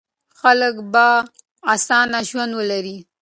خلک به اسانه ژوند ولري.